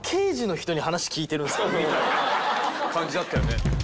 みたいな感じだったよね。